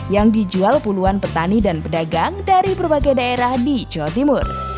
yang dijual puluhan petani dan pedagang dari berbagai daerah di jawa timur